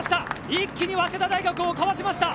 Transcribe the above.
一気に早稲田大学をかわしました。